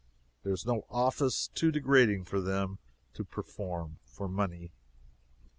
There is no office too degrading for them to perform, for money.